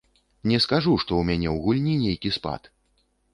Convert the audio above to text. Не скажу, што ў мяне ў гульні нейкі спад.